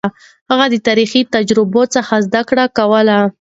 هغه د تاريخي تجربو څخه زده کړه کوله.